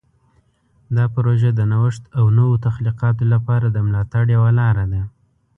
دا پروژه د نوښت او نوو تخلیقاتو لپاره د ملاتړ یوه لاره ده.